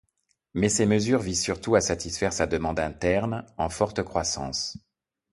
Mais ces mesures visent surtout à satisfaire sa demande interne, en forte croissance.